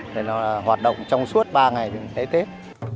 để nó hoạt động trong suốt ba ngày thì tết tết